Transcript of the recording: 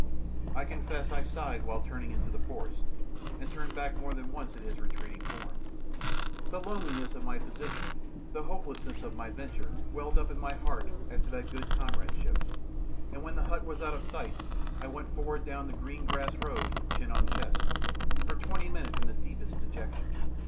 I confess I sighed while turning into the forest, and looked back more than once at his retreating form. The loneliness of my position, the hopelessness of my venture, welled up in my heart after that good comradeship, and when the hut was out of sight I went forward down the green grass road, chin on chest, for twenty minutes in the deepest dejection.